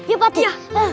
iya pak deh